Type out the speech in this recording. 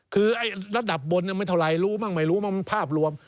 คือระดับบนไม่เท่าไหร่รู้มั่งไม่รู้มั้งภาพรวม